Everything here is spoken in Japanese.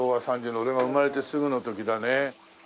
俺が生まれてすぐの時だね。